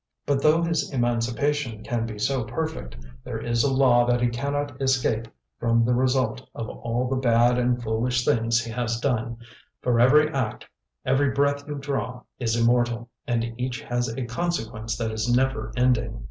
But though his emancipation can be so perfect, there is a law that he cannot escape from the result of all the bad and foolish things he has done, for every act, every breath you draw, is immortal, and each has a consequence that is never ending.